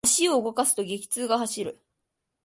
足を動かすと、激痛が走る。